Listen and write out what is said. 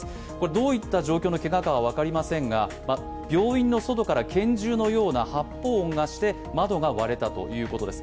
どういった状況のけがかは分かりませんが病院の外から拳銃のような発砲音がして窓が割れたということです。